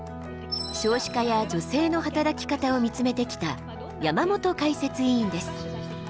少子化や女性の働き方を見つめてきた山本解説委員です。